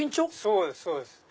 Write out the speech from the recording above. そうですそうです。